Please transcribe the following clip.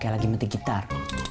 kayak lagi metik gitar